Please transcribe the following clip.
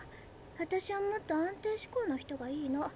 私はもっと安定志向の人がいいの。